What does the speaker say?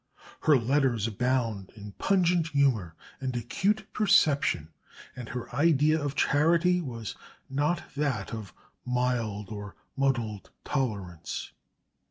Her letters abound in pungent humour and acute perception; and her idea of charity was not that of mild and muddled tolerance.